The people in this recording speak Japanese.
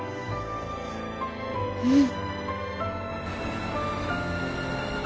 うん。